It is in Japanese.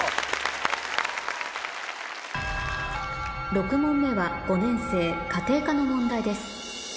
６問目は５年生家庭科の問題です